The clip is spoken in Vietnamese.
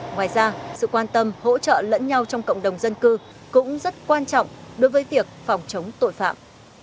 ngoài ra sự quan tâm hỗ trợ lẫn nhau trong cộng đồng dân cư cũng rất quan trọng đối với việc phòng chống tội phạm